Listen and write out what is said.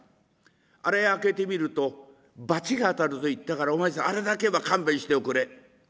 あれ開けて見ると罰が当たると言ったからお前さんあれだけは勘弁しておくれ」。